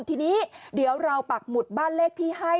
ทีนี้เดี๋ยวเราปักหมุดบ้านเลขที่ให้